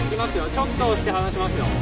ちょっと押して離しますよ。